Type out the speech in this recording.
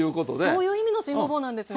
そういう意味の新ごぼうなんですね。